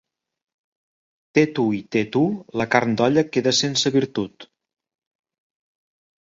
Té tu i té tu, la carn d'olla queda sense virtut.